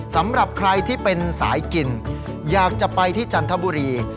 สำหรับใครที่เป็นสายกินอยากจะไปที่จันทบุรี